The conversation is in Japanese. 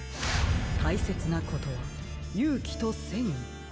たいせつなことは「ゆうき」と「せんい」。